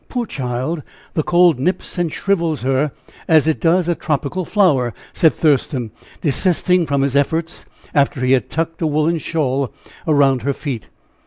"Poor child, the cold nips and shrivels her as it does a tropical flower," said Thurston, desisting from his efforts after he had tucked a woolen shawl around her feet.